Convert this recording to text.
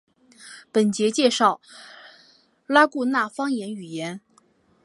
本节介绍拉祜纳方言语音。